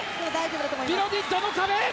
ビロディドの壁！